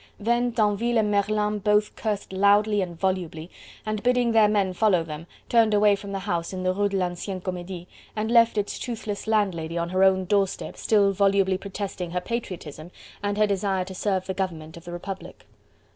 Then Tinville and Merlin both cursed loudly and volubly, and bidding their men follow them, turned away from the house in the Rue de l'Ancienne Comedie and left its toothless landlady on her own doorstep still volubly protesting her patriotism and her desire to serve the government of the Republic.